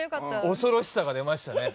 恐ろしさが出ましたね